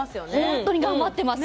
ホントに頑張ってます。